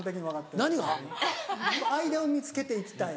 間を見つけて行きたい。